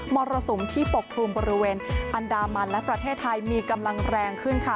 มรสุมที่ปกคลุมบริเวณอันดามันและประเทศไทยมีกำลังแรงขึ้นค่ะ